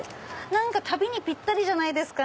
旅にぴったりじゃないですか。